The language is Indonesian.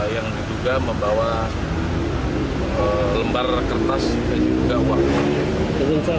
yang diduga membawa lembar kertas dan juga uang